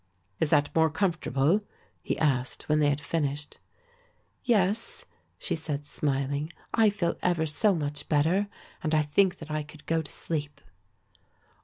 "Is that more comfortable?" he asked when they had finished. "Yes," she said smiling, "I feel ever so much better and I think that I could go to sleep."